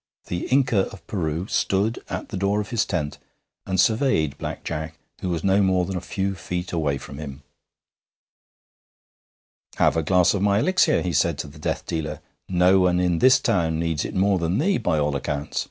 The Inca of Peru stood at the door of his tent and surveyed Black Jack, who was not more than a few feet away from him. 'Have a glass of my elixir,' he said to the death dealer; 'no one in this town needs it more than thee, by all accounts.